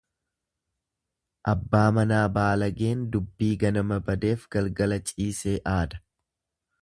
Abbaa manaa baalageen dubbii ganama badeef galgala ciisee aada.